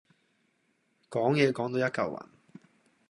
講野講到一嚿雲